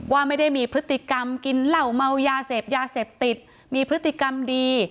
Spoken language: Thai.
ว่าไม่ได้มีพฤติกรรมกินเหล้าเมายาเสพยาเสพติดมีพฤติกรรมดี